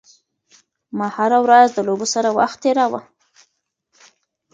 ما هره ورځ د لوبو سره وخت تېراوه.